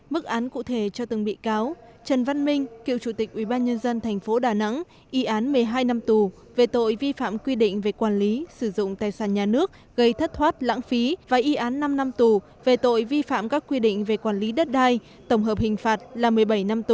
mức án cụ thể cho từng bị cáo trần văn minh cựu chủ tịch ubnd tp đà nẵng y án một mươi hai năm tù về tội vi phạm quy định về quản lý sử dụng tài sản nhà nước gây thất thoát lãng phí và y án năm năm tù về tội vi phạm các quy định về quản lý đất đai tổng hợp hình phạt là một mươi bảy năm tù